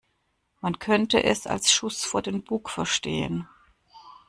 Man könnte es als Schuss vor den Bug verstehen.